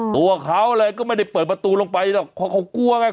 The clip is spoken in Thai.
ตัวเขาเลยก็ไม่ได้เปิดประตูลงไปหรอกเพราะเขากลัวไง